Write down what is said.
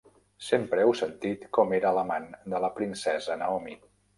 Sempre heu sentit com era l'amant de la princesa Naomi.